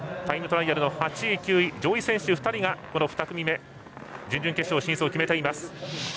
タイムトライアルの８位、９位上位選手２人がこの２組目準々決勝進出を決めています。